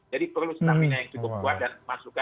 jadi perlu stamina yang cukup kuat